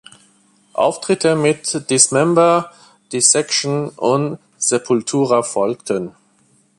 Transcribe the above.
Auftritte mit Dismember, Dissection und Sepultura folgten.